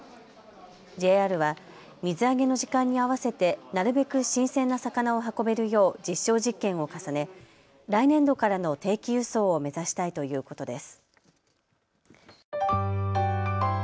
ＪＲは水揚げの時間に合わせてなるべく新鮮な魚を運べるよう実証実験を重ね来年度からの定期輸送を目指したいということです。